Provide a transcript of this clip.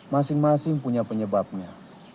masing masing punya penyebabnya